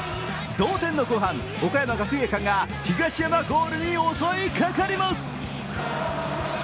同点の後半、岡山学芸館が東山ゴールに襲いかかります。